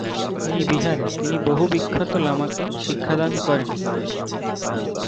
এই বিহারে তিনি বহু বিখ্যাত লামাকে শিক্ষাদান করেন।